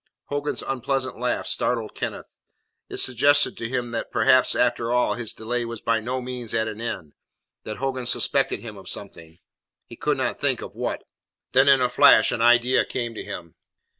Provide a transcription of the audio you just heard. Hogan's unpleasant laugh startled Kenneth. It suggested to him that perhaps, after all, his delay was by no means at an end; that Hogan suspected him of something he could not think of what. Then in a flash an idea came to him.